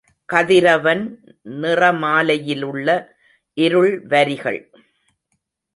கதிரவன் நிறமாலையிலுள்ள இருள் வரிகள்.